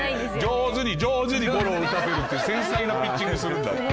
上手に上手にゴロを打たせるっていう繊細なピッチングするんだっていう。